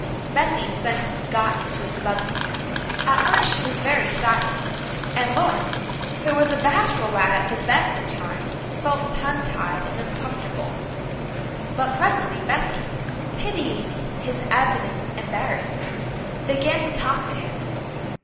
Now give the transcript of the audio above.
Bessy assented and got into his buggy. At first she was very silent, and Lawrence, who was a bashful lad at the best of times, felt tongue tied and uncomfortable. But presently Bessy, pitying his evident embarrassment, began to talk to him.